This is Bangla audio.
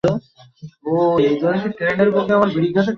সহযোগী খেলোয়াড়রা প্রতিবাদ করায় জনসন অবসর গ্রহণ করেন।